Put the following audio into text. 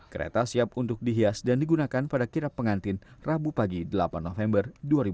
kereta siap untuk dihias dan digunakan pada kirap pengantin rabu pagi delapan november dua ribu dua puluh